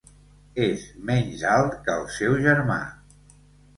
És menys alt que el seu germà.